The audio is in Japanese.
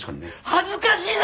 恥ずかしいだろ！？